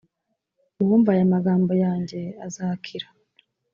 uwumva aya magambo yanjye azakira